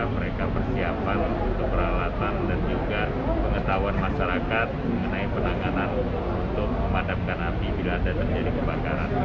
mereka persiapan untuk peralatan dan juga pengetahuan masyarakat mengenai penanganan untuk memadamkan api bila ada terjadi kebakaran